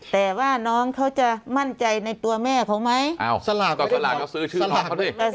แต่ว่าน้องเขาจะมั่นใจในตัวแม่เขาไหมอ้าวสลากต่อสลากเขาซื้อชื่อน้องเขาดิ